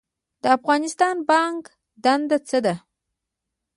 د افغانستان بانک دنده څه ده؟